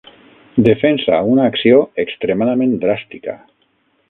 Defensa una acció extremadament dràstica.